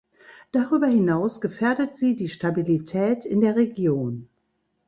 Darüber hinaus gefährdet sie die Stabilität in der Region.